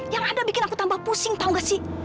yang ada bikin aku tambah pusing tau nggak sih